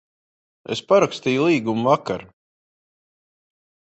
Es parakstīju līgumu vakar.